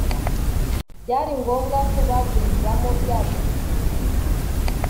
byari ngombwa kubaburizamo byanze bikunze.